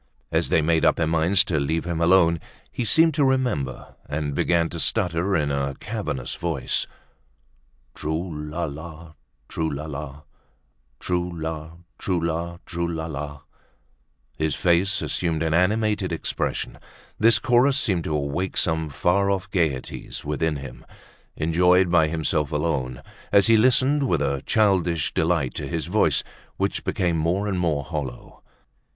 As they made up their minds to leave him alone, he seemed to remember, and began to stutter in a cavernous voice: "Trou la la, trou la la, Trou la, trou la, trou la la!" His face assumed an animated expression, this chorus seemed to awake some far off gaieties within him, enjoyed by himself alone, as he listened with a childish delight to his voice which became more and more hollow.